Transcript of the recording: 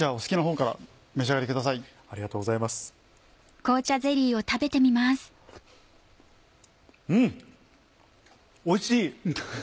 うんおいしい！